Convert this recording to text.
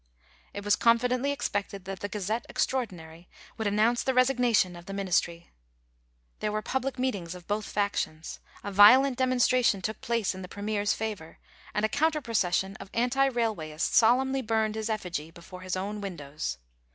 It was confidendy expected that the Gazette extraordinary would announce the resignation of the Ministr)'. There were public meetings of both factions. A violent demonstration took place in the Premier's favour, and a counter procession of Anti Railwayists solemnly burned his effigy before his own windows.